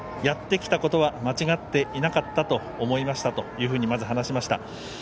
やってきたことは間違っていなかったと思いましたとまず話しました。